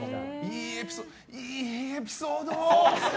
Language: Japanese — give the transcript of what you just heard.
いいエピソード！